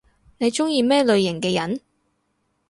你中意咩類型嘅人？